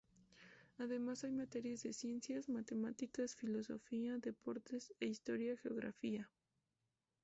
Además hay materias de ciencias, matemáticas, filosofía, deportes e historia-geografía.